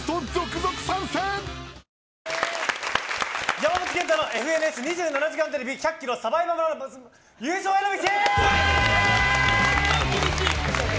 山本賢太の「ＦＮＳ２７時間テレビ」１００ｋｍサバイバルマラソン優勝への道！